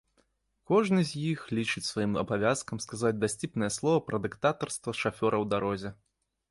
Кожны з іх лічыць сваім абавязкам сказаць дасціпнае слова пра дыктатарства шафёра ў дарозе.